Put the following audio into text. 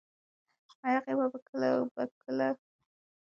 ایا هغې به بله کومه وعده کړې وي؟